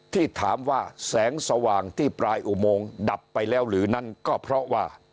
ที่ถามว่าแสงสว่างที่ปลายอุโมงดับไปแล้วหรือนั้นก็เพราะว่า